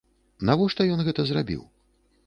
Навошта ён гэта зрабіў?